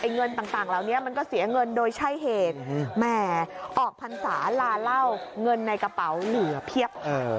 เงินต่างเหล่านี้มันก็เสียเงินโดยใช่เหตุแหมออกพรรษาลาเหล้าเงินในกระเป๋าเหลือเพียบ